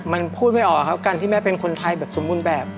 มันพูดไม่ออกครับการที่แม่เป็นคนไทยแบบสมบูรณ์แบบ